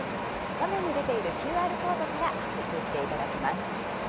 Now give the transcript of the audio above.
画面に出ているＱＲコードからアクセスしていただけます。